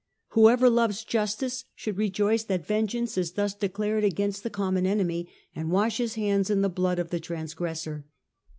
Whoever loves justice should rejoice that vengeance is thus declared against the common enemy, and wash his hands in the blood of the transgressor."